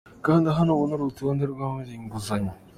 Kanda hano ubone urutonde rw’abemerewe inguzanyo.